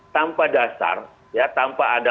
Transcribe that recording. tanpa dasar ya tanpa ada